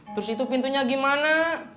terus itu pintunya gimana